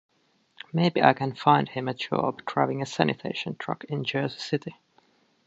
Maybe I can find him a job driving a sanitation truck in Jersey City.